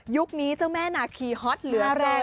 ยุคนี้เจ้าแม่นอะคีฮอตเหลือเกิน